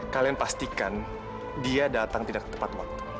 kalian pastikan dia datang tidak tepat waktu